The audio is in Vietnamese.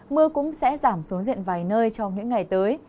mưa cũng sẽ giảm xuống diện vài nơi trong những ngày tới